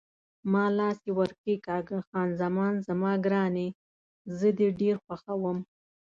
ما لاس یې ور کښېکاږه: خان زمان زما ګرانې، زه دې ډېر خوښوم.